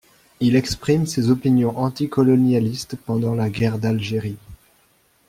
Il exprime ses opinions anticolonialistes pendant la guerre d'Algérie.